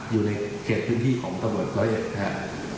อยู่ในเขตพื้นที่ของตรวจร้อยเอ็ด